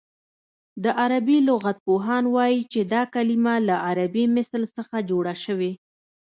د عربي لغت پوهان وايي چې دا کلمه له عربي مثل څخه جوړه شوې